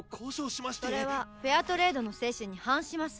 それはフェアトレードの精神に反します。